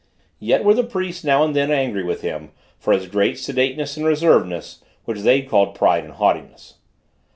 Yet were the priests now and then angry with him for his great sedateness and reservedness, which they called pride and haughtiness.